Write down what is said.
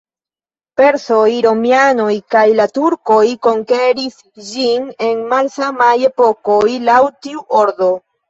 La persoj, romianoj kaj la turkoj konkeris ĝin en malsamaj epokoj laŭ tiu ordo.